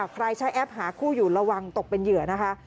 ใครใช้แอปหาคู่อยู่ระวังตกเป็นเหยื่อนะคะ